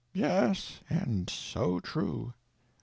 Yes. And so true.